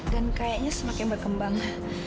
dan kayaknya semakin berkembang